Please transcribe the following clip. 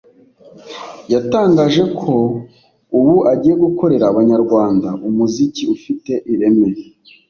yatangaje ko ubu agiye gukorera abanyarwanda umuziki ufite ireme